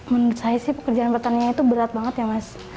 menurut saya sih pekerjaan pertaniannya itu berat banget ya mas